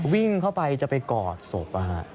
วิ่งเข้าไปจะไปกอดศพ